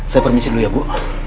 saya permisi dulu ya bu